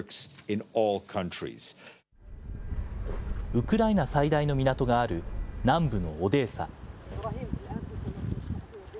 ウクライナ最大の港がある南部のオデーサ。